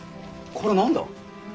これは何だ？